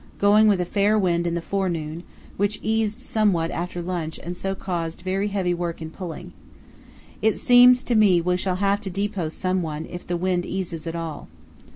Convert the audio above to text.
Going with a fair wind in the forenoon, which eased somewhat after lunch and so caused very heavy work in pulling. It seems to me we shall have to depot someone if the wind eases at all.